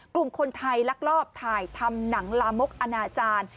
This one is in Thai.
กลุ่มคนไทยลักลอบถ่ายทำหนังลามกอนาจารย์